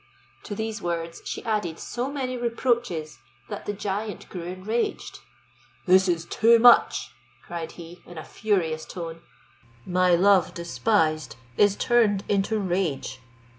To these words she added so many reproaches, that the giant grew enraged. "This is too much," cried he, in a furious tone; "my love despised is turned into rage.